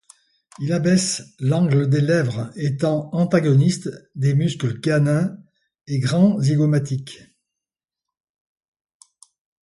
Il abaisse l'angle des lèvres étant antagoniste des muscles canin et grand zygomatique.